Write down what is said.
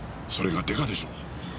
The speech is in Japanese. それがデカでしょう。